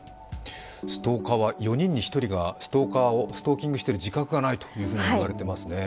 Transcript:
ストーカーは４人に１人がストーキングしている自覚がないと言われていますね。